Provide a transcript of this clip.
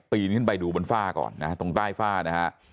นขึ้นไปดูบนฝ้าก่อนนะฮะตรงใต้ฝ้านะฮะ